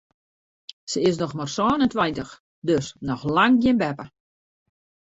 Se is noch mar sân en tweintich, dus noch lang gjin beppe.